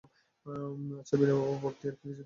আচ্ছা বিনয়বাবু, বক্তিয়ার খিলিজি তো লড়াই করেছিল?